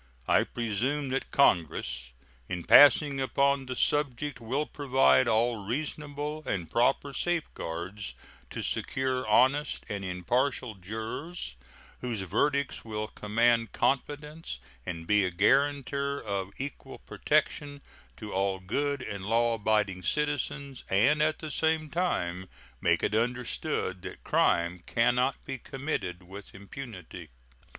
I presume that Congress, in passing upon the subject, will provide all reasonable and proper safeguards to secure honest and impartial jurors, whose verdicts will command confidence and be a guaranty of equal protection to all good and law abiding citizens, and at the same time make it understood that crime can not be committed with impunity.